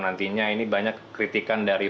nantinya ini banyak kritikan dari